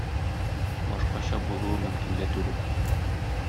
Башкача булуы мөмкин дә түгел.